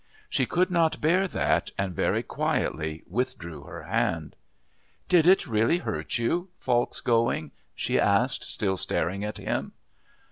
She could not bear that and very quietly withdrew her hand. "Did it really hurt you, Falk's going?" she asked, still staring at him.